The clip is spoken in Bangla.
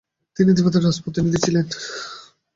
তিনি তিব্বতের রাজপ্রতিনিধি ছিলেন।